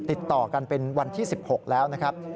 ติดต่อกันเป็นวันที่๑๖แล้วนะครับ